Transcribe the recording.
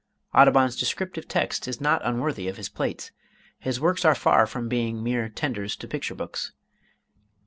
Audubon's descriptive text is not unworthy of his plates: his works are far from being mere tenders to picture books.